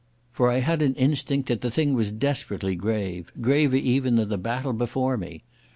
For I had an instinct that the thing was desperately grave, graver even than the battle before me.